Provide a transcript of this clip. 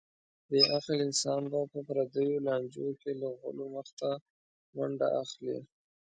بې عقل انسان به په پردیو لانجو کې له غولو مخته منډه اخلي.